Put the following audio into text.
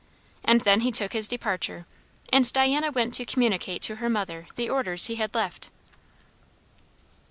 And then he took his departure; and Diana went to communicate to her mother the orders he had left.